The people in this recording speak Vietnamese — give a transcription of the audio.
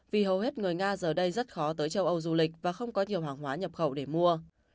vì hầu hết người nga giờ đây rất khó tới châu âu du lịch và không có nhiều hàng hóa nhập khẩu để mua